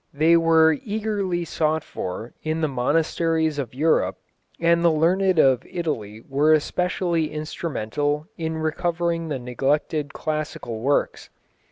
They were eagerly sought for in the monasteries of Europe, and the learned of Italy were especially instrumental in recovering the neglected classical works.